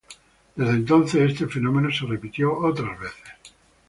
Desde entonces, este fenómeno se repitió otras veces.